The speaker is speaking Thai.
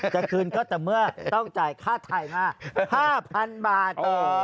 จะคืนก็แต่เมื่อต้องจ่ายค่าไทยมา๕๐๐๐บาท